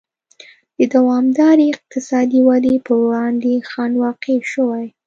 د دوامدارې اقتصادي ودې پر وړاندې خنډ واقع شوی.